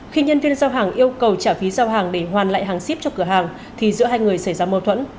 khi nhân viên giao hàng yêu cầu trả phí giao hàng để hoàn lại hàng ship cho cửa hàng thì giữa hai người xảy ra mâu thuẫn